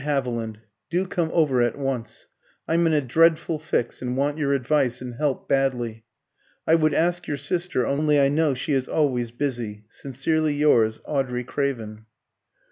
HAVILAND, Do come over at once. I'm in a dreadful fix, and want your advice and help badly. I would ask your sister, only I know she is always busy. Sincerely yours, "AUDREY CRAVEN."